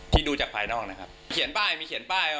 ดูจากภายนอกนะครับเขียนป้ายมีเขียนป้าย